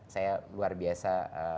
saya luar biasa